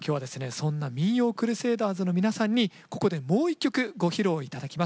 そんな民謡クルセイダーズの皆さんにここでもう一曲ご披露頂きます。